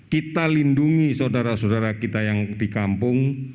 kita lindungi saudara saudara kita yang di kampung